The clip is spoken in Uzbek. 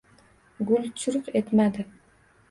Gul churq etmadi.